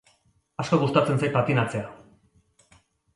Asko gustatzen zait patinatzea.